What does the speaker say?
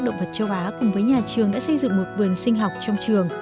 động vật châu á cùng với nhà trường đã xây dựng một vườn sinh học trong trường